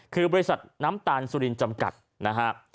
คือบริษัทน้ำตาลสุรินจำกัดนะฮะ